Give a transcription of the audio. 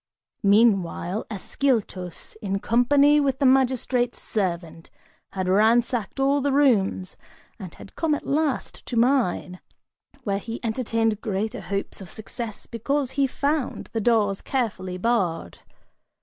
Meanwhile Ascyltos, in company with the magistrate's servant, had ransacked all the rooms and had come at last to mine, where he entertained greater hopes of success, because he found the doors carefully barred.